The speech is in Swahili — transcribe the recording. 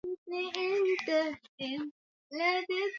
Kikosi hicho ni sehemu ya idadi kubwa ya wanajeshi elfu tano